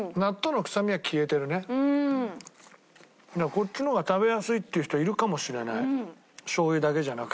こっちの方が食べやすいっていう人いるかもしれないしょう油だけじゃなくて。